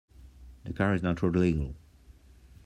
The car is not road legal.